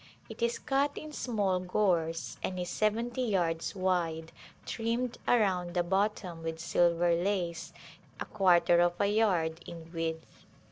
It is cut in small gores and is seventy yards wide, trimmed around the bottom with silver lace a quarter of a yard in width.